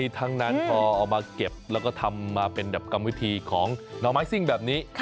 ทั้งนั้นพอเอามาเก็บแล้วก็ทำมาเป็นแบบกรรมวิธีของหน่อไม้ซิ่งแบบนี้